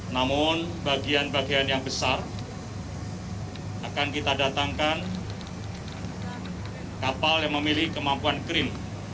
namun bagian bagian yang besar akan kita datangkan kapal yang memiliki kemampuan green